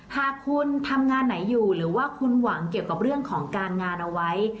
หากคุณทำงานไหนอยู่หรือว่าคุณหวังเกี่ยวกับเรื่องของการงานเอาไว้